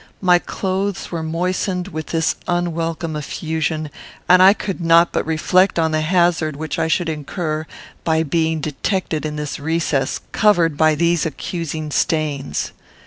My clothes were moistened with this unwelcome effusion, and I could not but reflect on the hazard which I should incur by being detected in this recess, covered by these accusing stains.